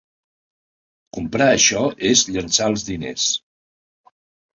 Comprar això és llençar els diners.